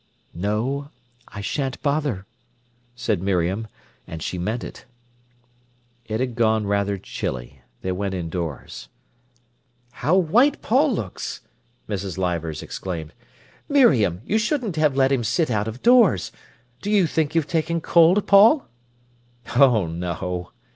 "No, I shan't bother," said Miriam. And she meant it. It had gone rather chilly. They went indoors. "How white Paul looks!" Mrs. Leivers exclaimed. "Miriam, you shouldn't have let him sit out of doors. Do you think you've taken cold, Paul?" "Oh, no!"